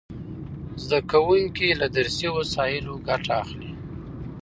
زده کوونکي له درسي وسایلو ګټه اخلي.